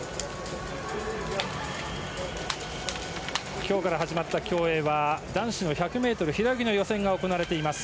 今日から始まった競泳は男子の１００ｍ平泳ぎの予選が行われています。